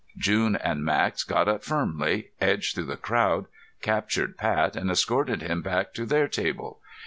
June and Max got up firmly, edged through the crowd, captured Pat and escorted him back to their table.